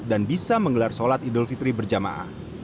dan bisa menggelar sholat idul fitri berjamaah